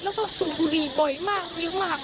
แล้วก็สูดกุรีบ่อยมากวิ้วมาก